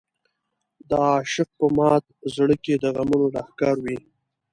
د عاشق په مات زړه کې د غمونو لښکر وي.